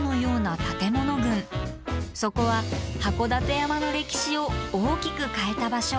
そこは函館山の歴史を大きく変えた場所。